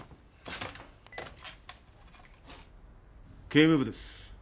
警務部です。